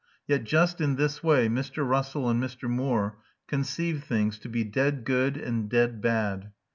Yet just in this way Mr. Russell and Mr. Moore conceive things to be dead good and dead bad.